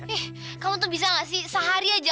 eh kamu tuh bisa gak sih sehari aja